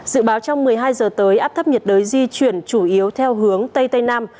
dự báo trong một mươi hai giờ tới áp thấp nhiệt đới di chuyển chủ yếu theo hướng tây tây nam